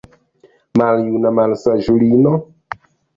Maljuna malsaĝulino?